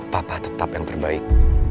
papa tetap yang terbaik